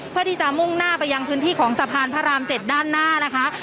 เพื่อที่จะมุ่งหน้าไปยังพื้นที่ของสะพานพระราม๗ด้านหน้านะคะ